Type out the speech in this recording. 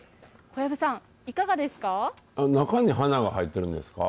小籔さん、いかがですか。